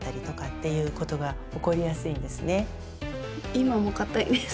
今もかたいです。